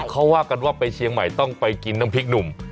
เขาว่ากันว่าไปเชียงใหม่ต้องไปกินน้ำพริกหนุ่ม